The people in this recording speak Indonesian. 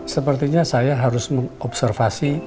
sepertinya saya harus mengobservasi